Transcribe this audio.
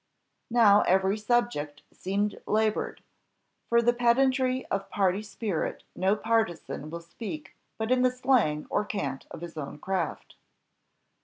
Now every subject seems laboured for in the pedantry of party spirit no partisan will speak but in the slang or cant of his own craft.